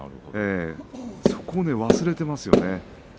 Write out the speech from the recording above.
そこを忘れていますね。